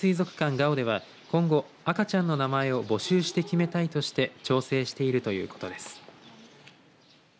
ＧＡＯでは今後、赤ちゃんの名前を募集して決めたいとして調整しているということです。